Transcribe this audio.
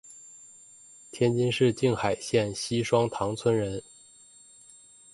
天津市静海县西双塘村人。